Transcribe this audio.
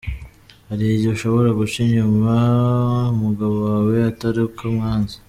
Hari igihe ushobora guca inyuma umugabo wawe atari uko umwanze.